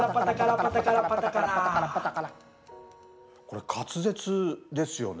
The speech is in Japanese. これ滑舌ですよね。